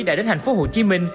đã đến thành phố hồ chí minh